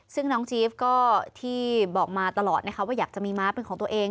ซึ่งน้องจี๊บก็ที่บอกมาตลอดนะคะว่าอยากจะมีม้าเป็นของตัวเอง